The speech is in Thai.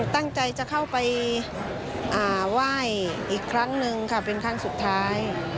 ตั้งใจจะเข้าไปไหว้อีกครั้งหนึ่งค่ะเป็นครั้งสุดท้าย